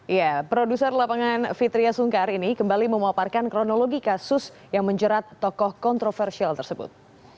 ya produser lapangan fitriya sungkar ini kembali memaparkan kronologi kasus yang menjerat tokoh kontroversial tersebut